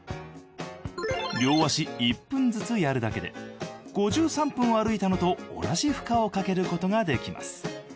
両足１分ずつやるだけで５３分歩いたのと同じ負荷をかけることができます。